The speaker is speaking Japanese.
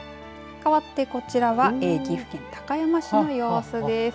かわってこちらは岐阜県高山市の様子です。